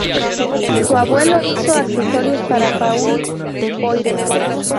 Su abuelo hizo accesorios para Paul Poiret.